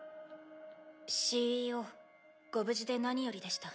ＣＥＯご無事で何よりでした。